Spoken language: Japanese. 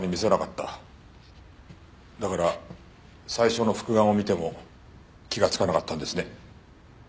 だから最初の復顔を見ても気がつかなかったんですね？